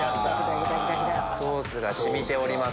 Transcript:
ソースが染みております。